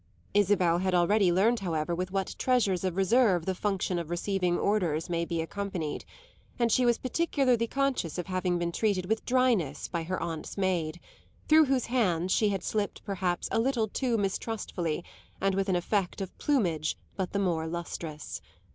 Isabel had already learned, however, with what treasures of reserve the function of receiving orders may be accompanied, and she was particularly conscious of having been treated with dryness by her aunt's maid, through whose hands she had slipped perhaps a little too mistrustfully and with an effect of plumage but the more lustrous.